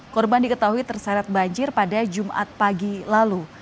korban diketahui terseret banjir pada jumat pagi lalu